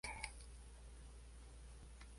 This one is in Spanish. Al morir, el feudo lo heredó su tío Arturo.